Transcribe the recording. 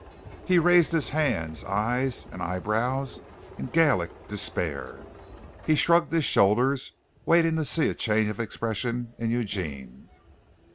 He raised his hands, eyes, and eye brows in Gallic despair. He shrugged his shoulders, waiting to see a change of expression in Eugene.